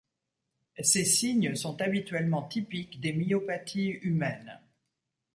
Ces signes sont habituellement typiques des myopathies humaines.